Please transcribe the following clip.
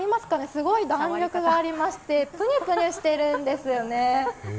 すごい弾力がありましてぷにゅぷにゅしてるんですよね。